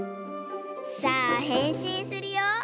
さあへんしんするよ！